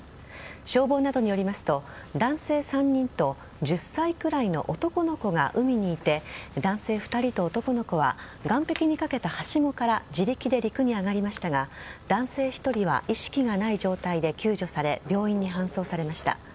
消防などによりますと男性３人と１０歳くらいの男の子が海にいて男性２人と男の子は岸壁にかけたはしごから自力で陸に上がりましたが男性１人は意識がない状態で救助され病院に搬送されました。